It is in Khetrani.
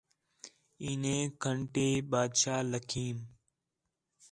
عینے گھݨیں بادشاہ لَکھیم